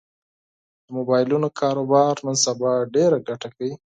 د مبایلونو کاروبار نن سبا ډېره ګټه کوي